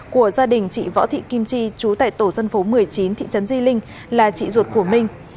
của gia đình chị võ thị kim chi chú tại tổ dân phố một mươi chín thị trấn di linh là chị ruột của minh